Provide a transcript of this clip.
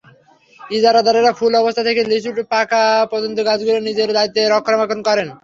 ইজারাদারেরা ফুল অবস্থা থেকে লিচু পাকা পর্যন্ত গাছগুলো নিজ দায়িত্বে রক্ষণাবেক্ষণ করেন।